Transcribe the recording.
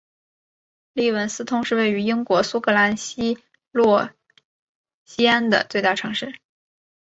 利文斯通是位于英国苏格兰西洛锡安的最大城市。